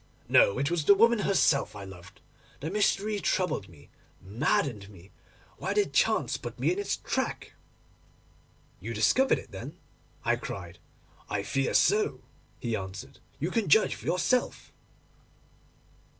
No; it was the woman herself I loved. The mystery troubled me, maddened me. Why did chance put me in its track?' 'You discovered it, then?' I cried. 'I fear so,' he answered. 'You can judge for yourself.